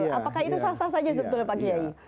apakah itu sasar saja sebetulnya pak giyai